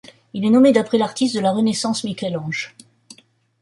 Il est nommé d'après l'artiste de la Renaissance Michel-Ange.